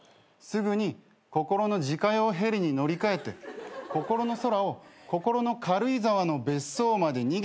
すぐに心の自家用ヘリに乗り換えて心の空を心の軽井沢の別荘まで逃げていけばいいんだ。